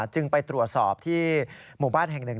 จึงไปตรวจสอบที่หมู่บ้านแห่งหนึ่ง